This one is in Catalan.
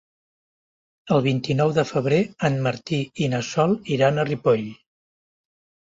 El vint-i-nou de febrer en Martí i na Sol iran a Ripoll.